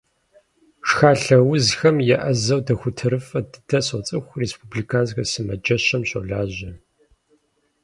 Шхалъэ узхэм еӏэзэу дохутырыфӏ дыдэ соцӏыху, республиканскэ сымаджэщым щолажьэ.